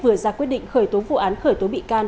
vừa ra quyết định khởi tố vụ án khởi tố bị can